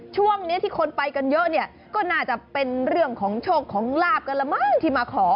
ช่วงนี้ที่คนไปกันเยอะเนี่ยก็น่าจะเป็นเรื่องของโชคของลาบกันละมั้งที่มาขอ